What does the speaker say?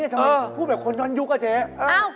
ทำไมพูดแบบคนย้อนยุคอะเจ๊